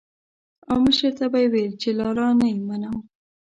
او مشر ته به یې ويل چې لالا نه يې منم.